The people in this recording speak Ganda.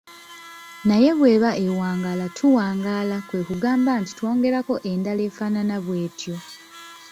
Naye bw’eba ewangaala tuwangaala kwe kugamba nti twongerako endala efaanana bw’etyo.